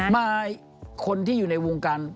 มาคนที่อยู่ในวงการ